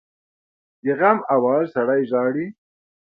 د غم آواز سړی ژاړي